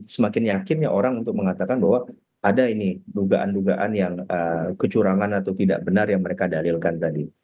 semakin yakinnya orang untuk mengatakan bahwa ada ini dugaan dugaan yang kecurangan atau tidak benar yang mereka dalilkan tadi